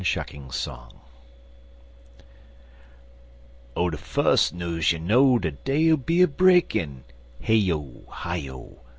CORN SHUCKING SONG OH, de fus' news you know de day'll be a breakin' (Hey O! Hi O!